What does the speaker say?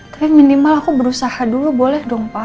tapi minimal aku berusaha dulu boleh dong pak